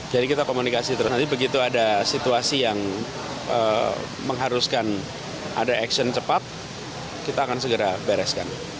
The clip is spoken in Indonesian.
jadi kita komunikasi terus nanti begitu ada situasi yang mengharuskan ada aksi cepat kita akan segera bereskan